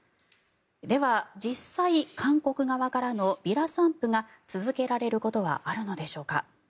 では、実際韓国側からのビラ散布が続けられることはあるのでしょうか。